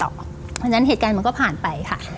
เพราะฉะนั้นเหตุการณ์มันก็ผ่านไปค่ะ